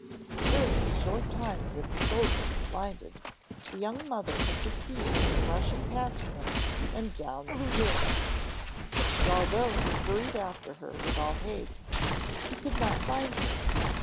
During the short time that the soldier was blinded, the young mother had succeeded in rushing past him and down the stairs; and although he hurried after her with all haste, he could not find her.